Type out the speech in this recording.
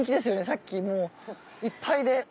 さっきもういっぱいで。